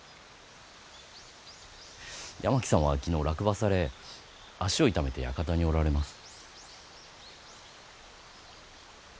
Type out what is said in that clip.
山木様は昨日落馬され足を痛めて館におられます。